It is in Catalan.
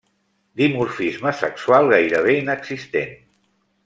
Dimorfisme sexual gairebé inexistent.